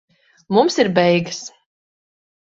Mums ir beigas.